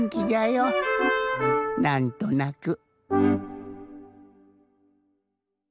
なんとなく。